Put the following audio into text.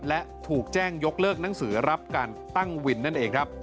และถูกแจ้งยกเลิกหนังสือรับการตั้งวินนั่นเองครับ